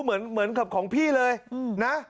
เหมือนกับของพี่เลยนะ